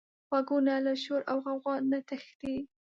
غوږونه له شور او غوغا نه تښتي